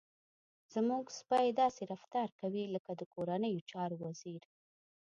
زموږ سپی داسې رفتار کوي لکه د کورنیو چارو وزير.